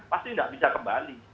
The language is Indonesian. pasti tidak bisa kembali